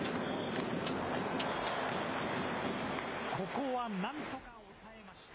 ここはなんとか抑えました。